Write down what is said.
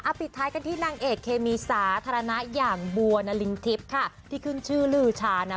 ปิดท้ายกันที่นางเอกเคมีสาธารณะอย่างบัวนารินทิพย์ค่ะที่ขึ้นชื่อลือชานะ